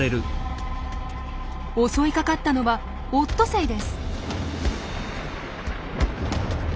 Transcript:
襲いかかったのはオットセイです。